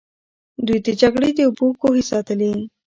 دوی د جګړې د اوبو کوهي ساتلې.